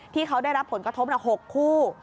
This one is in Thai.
ที่เขาได้รับผลกระทบ๖คู่